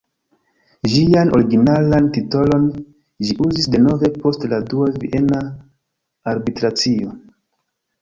Ĝian originalan titolon ĝi uzis denove post la dua Viena arbitracio.